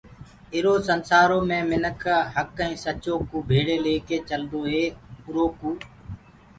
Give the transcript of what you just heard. ايٚرو سنسآرو مي مِنک هَڪ ائيٚنٚ سچو ڪوٚ ڀيݪي ليڪي چلدوئي اُرو ڪوٚ